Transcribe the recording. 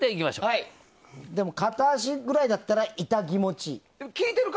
でも、片足くらいだったら痛気持ちいい。